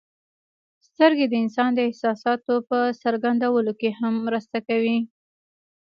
سترګې د انسان د احساساتو په څرګندولو کې هم مرسته کوي.